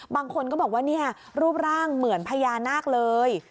บางคนก็บอกว่าเนี่ยรูปร่างเหมือนพญานาคเลย